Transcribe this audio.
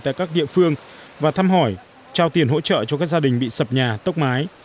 tại các địa phương và thăm hỏi trao tiền hỗ trợ cho các gia đình bị sập nhà tốc mái